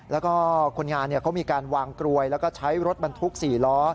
แล้วก็คนงานเขามีการวางกรวยแล้วก็ใช้รถบรรทุก๔ล้อ